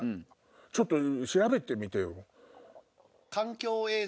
ちょっと調べてみてよ。